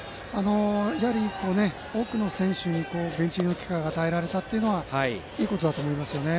多くの選手にベンチ入りの機会が与えられたのはいいことだと思いますね。